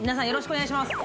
お願いします